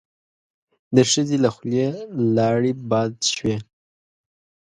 د ښځې له خولې لاړې باد شوې.